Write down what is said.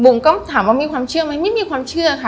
ก็ถามว่ามีความเชื่อไหมไม่มีความเชื่อค่ะ